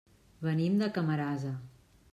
Venim de Camarasa.